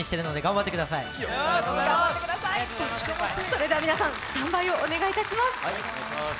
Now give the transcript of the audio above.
それでは皆さん、スタンバイをお願いします。